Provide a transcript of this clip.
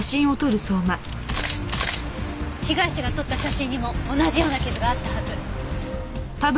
被害者が撮った写真にも同じような傷があったはず。